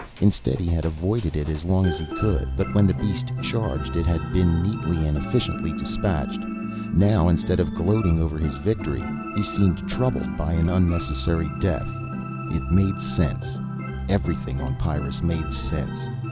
Instead he had avoided it as long as he could. But when the beast charged it had been neatly and efficiently dispatched. Now, instead of gloating over his victory, he seemed troubled over an unnecessary death. It made sense. Everything on Pyrrus made sense.